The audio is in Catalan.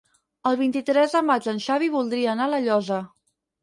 El vint-i-tres de maig en Xavi voldria anar a La Llosa.